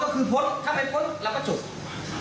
ก็คือพ้นถ้าไม่พ้นเราก็จบ